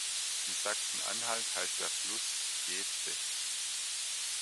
In Sachsen-Anhalt heißt der Fluss Jeetze.